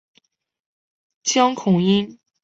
江孔殷。